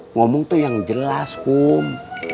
ngomong tuh yang jelas kum